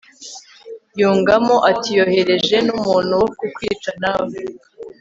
yungamo ati yohereje n'umuntu wo kukwica nawe